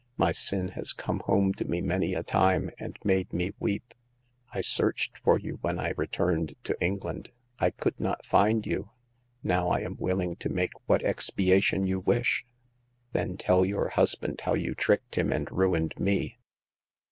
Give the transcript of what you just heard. My sin has come home to me many a time, and made me weep. I searched for you when I returned to England ; I could not find you. Now I am willing to make what expiation you wish." "Then tell your husband how you tricked him and ruined me."